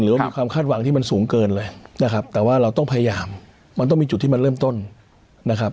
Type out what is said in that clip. ว่ามีความคาดหวังที่มันสูงเกินเลยนะครับแต่ว่าเราต้องพยายามมันต้องมีจุดที่มันเริ่มต้นนะครับ